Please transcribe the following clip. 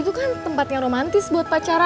itu kan tempat yang romantis buat pacaran